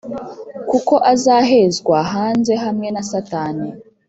kukw azahezwa hanze hamwe na satani.